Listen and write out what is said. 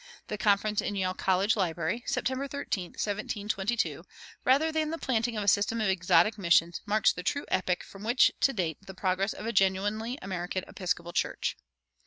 The conference in Yale College library, September 13, 1722, rather than the planting of a system of exotic missions, marks the true epoch from which to date the progress of a genuinely American Episcopal Church.